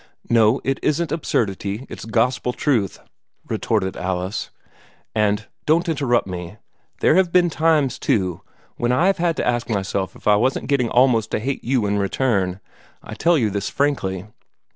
"No, it isn't absurdity; it's gospel truth," retorted Alice. "And don't interrupt me there have been times, too, when I have had to ask myself if I wasn't getting almost to hate you in return. I tell you this frankly."